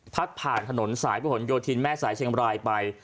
พัดผ่านถนนสายผลโยทินแม่สายเชียงไบร้ายไป